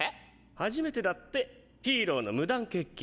初めてだってヒーローの無断欠勤。